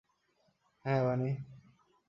হ্যাঁ, বানি।